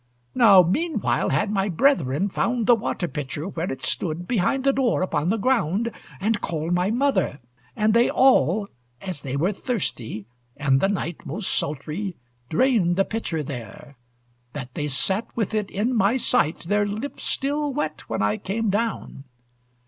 "Now meanwhile had my brethren found The water pitcher, where it stood Behind the door upon the ground, And called my mother; and they all, As they were thirsty, and the night Most sultry, drained the pitcher there; That they sate with it, in my sight, Their lips still wet, when I came down.